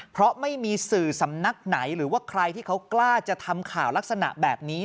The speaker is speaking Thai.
เพราะไม่มีสื่อสำนักไหนหรือว่าใครที่เขากล้าจะทำข่าวลักษณะแบบนี้